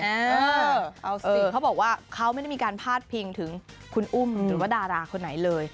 เอาสิเขาบอกว่าเขาไม่ได้มีการพาดพิงถึงคุณอุ้มหรือว่าดาราคนไหนเลย